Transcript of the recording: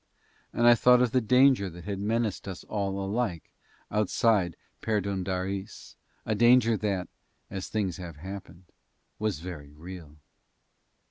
And I thought of the danger that had menaced us all alike outside Perdóndaris, a danger that, as things have happened, was very real.